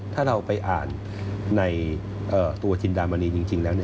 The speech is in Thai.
ถ้าเราไปอ่านในตัวจินดามณีจริงแล้ว